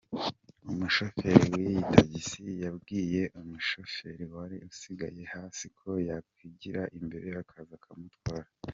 Umushoferi w’iyi tagisi yabwiye umushoferi wari usigaye hasi ko yakwigira imbere akaza akamutwara.